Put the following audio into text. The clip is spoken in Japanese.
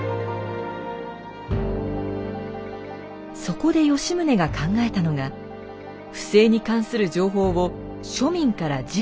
そこで吉宗が考えたのが不正に関する情報を庶民からじかに集めること。